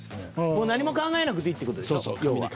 何も考えなくていいって事でしょ要は。